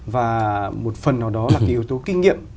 và một phần nào đó là cái yếu tố kinh nghiệm